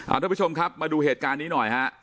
ทุกผู้ชมครับมาดูเหตุการณ์นี้หน่อยฮะ